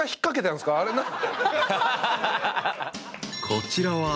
［こちらは］